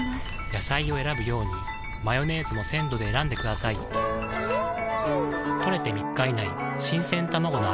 野菜を選ぶようにマヨネーズも鮮度で選んでくださいん！